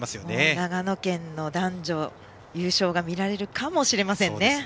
長野県の男女優勝が見られるかもしれませんね。